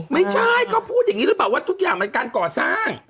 ไม่ใช่ก็พูดอย่างนี้หรือเปล่าว่าทุกอย่างมันการก่อสร้าง